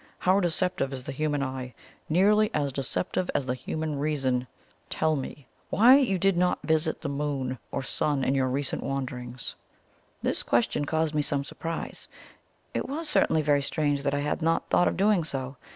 How deceptive is the human eye! nearly as deceptive as the human reason. Tell me why did you not visit the Moon, or the Sun, in your recent wanderings?" This question caused me some surprise. It was certainly very strange that I had not thought of doing so.